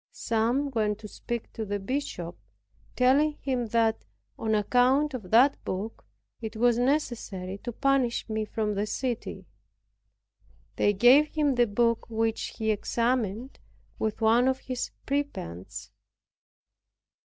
Some went to speak to the bishop, telling him that, on account of that book, it was necessary to banish me from the city. They gave him the book which he examined with one of his prebends.